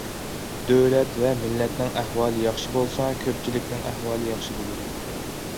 دۆلەت ۋە مىللەتنىڭ ئەھۋالى ياخشى بولسا، كۆپچىلىكنىڭ ئەھۋالى ياخشى بولىدۇ.